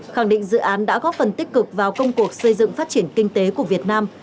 khẳng định dự án đã góp phần tích cực vào công cuộc xây dựng phát triển kinh tế của việt nam